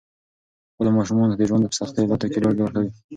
خپلو ماشومانو ته د ژوند په سختو حالاتو کې ډاډ ورکړئ.